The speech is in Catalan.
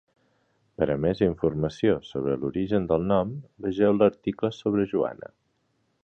Per a més informació sobre l'origen del nom, vegeu l'article sobre Joanna.